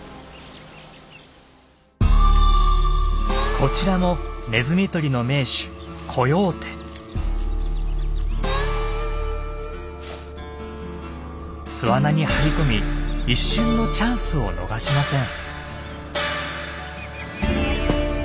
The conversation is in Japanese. こちらもネズミ取りの名手巣穴に張り込み一瞬のチャンスを逃しません。